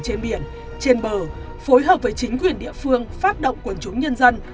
trên biển trên bờ phối hợp với chính quyền địa phương phát động quần chúng nhân dân